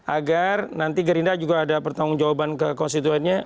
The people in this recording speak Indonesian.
agar nanti gerindra juga ada pertanggung jawaban ke konstituennya